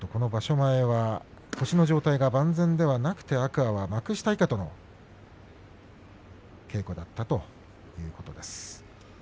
前、腰の状態が万全ではなくて天空海は幕下以下との稽古だったということです。